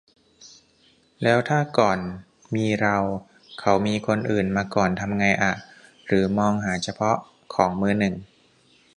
แล้วถ้าก่อนมีเรา เขามีคนอื่นมาก่อนทำไงอะ หรือมองหาเฉพาะของมือหนึ่ง